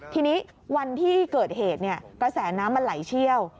ทีนี้วันที่เกิดเหตุกระแสน้ำมันไหลเชี่ยว